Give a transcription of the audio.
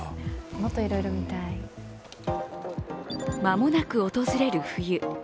間もなく訪れる冬。